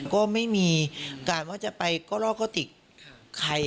ก็ไม่มีการว่าจะไปก็ลอกกระติกใคร